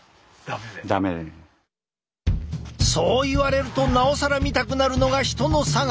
そう言われるとなおさら見たくなるのが人のさが。